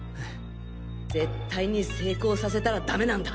絶対に成功させたらダメなんだ。